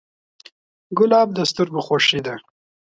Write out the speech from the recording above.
ګلاب د سترګو خوښي ده.